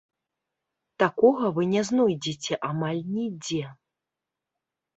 Такога вы не знойдзеце амаль нідзе.